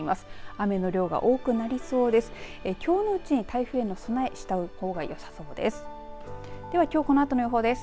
雨の量が多くなりそうです。